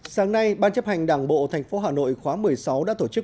sáng nay ban chấp hành đảng bộ tp hà nội khóa một mươi sáu đã tổ chức